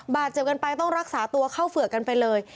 บาดเจ็บกันไปต้องรักษาตัวเข้าเฝือกกันไปเลย